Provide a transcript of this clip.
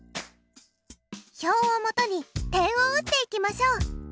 表をもとに点を打っていきましょう。